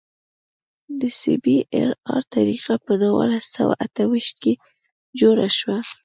د سی بي ار طریقه په نولس سوه اته ویشت کې جوړه شوه